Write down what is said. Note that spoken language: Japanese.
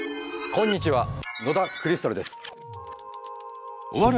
こんにちは野田クリスタルです。